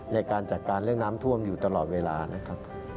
ในการจัดการเรื่องน้ำท่วมอยู่ตลอดเวลานะครับ